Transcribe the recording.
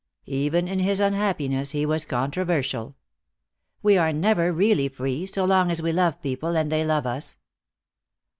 Even in his unhappiness he was controversial. "We are never really free, so long as we love people, and they love us.